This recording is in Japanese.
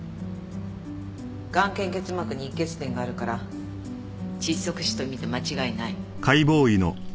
眼瞼結膜に溢血点があるから窒息死と見て間違いない。